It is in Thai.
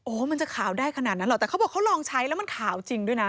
โอ้โหมันจะขาวได้ขนาดนั้นหรอกแต่เขาบอกเขาลองใช้แล้วมันขาวจริงด้วยนะ